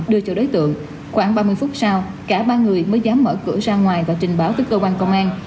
khoảng ba mươi phút sau cả ba người mới dám mở cửa ra ngoài và trình báo tới cơ quan công an